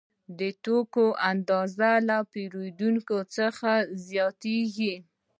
د توکو اندازه له پیرودونکو څخه زیاتېږي